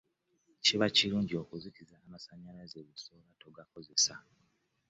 Kiba kirungi okuzikiza amasannyalaze busoba togakosesa.